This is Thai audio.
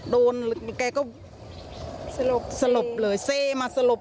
โดนแต่แกก็สลบเลยเสมาสลบ